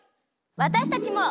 わたしたちも。